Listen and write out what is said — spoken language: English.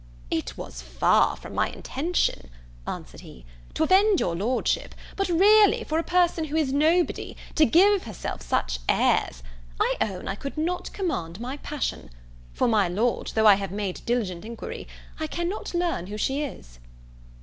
"It was far from my intention," answered he, "to offend your lordship; but, really, for a person who is nobody, to give herself such airs, I own I could not command my passion. For, my Lord, though I have made diligent inquiry I cannot learn who she is."